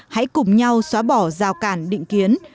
hãy cùng nhau xóa bỏ giao cản định kiến